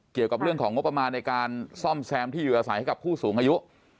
เกี่ยวกับเรื่องของงบประมาณในการซ่อมแซมที่อยู่อาศัยให้กับผู้สูงอายุ